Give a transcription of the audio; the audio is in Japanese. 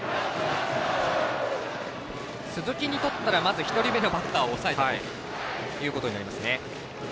鈴木にとったら、まず１人目のバッターを抑えたということになりますね。